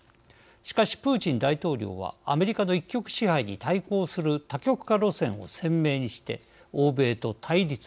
しかし、プーチン大統領はアメリカの一極支配に対抗する多極化路線を鮮明にして欧米と対立。